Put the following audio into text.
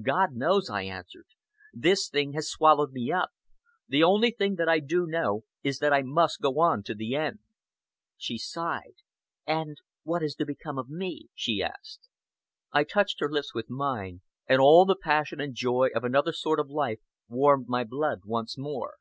"God knows!" I answered. "This thing has swallowed me up. The only thing that I do know is that I must go on to the end." She sighed. "And what is to become of me?" she asked. I touched her lips with mine and all the passion and joy of another sort of life warmed my blood once more.